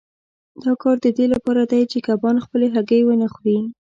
دا کار د دې لپاره دی چې کبان خپلې هګۍ ونه خوري.